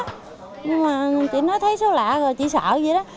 nhưng mà chỉ nói thấy số lạ rồi chỉ sợ vậy đó